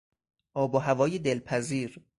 آب و هوای دلپذیر